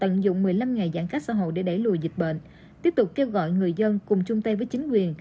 hãy lùi dịch bệnh tiếp tục kêu gọi người dân cùng chung tay với chính quyền